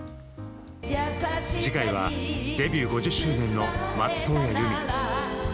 次回はデビュー５０周年の松任谷由実。